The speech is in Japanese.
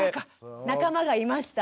仲間がいました。